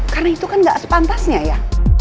karena itu kan gak sepantasnya ya